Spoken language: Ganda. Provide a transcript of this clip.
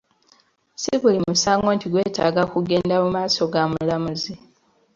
Si buli musango nti gwetaaga kugenda mu maaso ga mulamuzi.